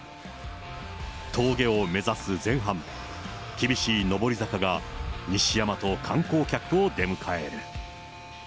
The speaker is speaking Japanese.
峠を目指す前半、厳しい登り坂が西山と観光客を出迎える。